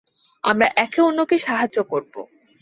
আমরা একে অন্যকে সাহায্য করবো।